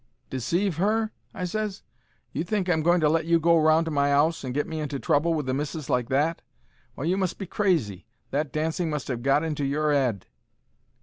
"Deceive her?" I ses. "Do you think I'm going to let you go round to my 'ouse and get me into trouble with the missis like that? Why, you must be crazy; that dancing must 'ave got into your 'ead."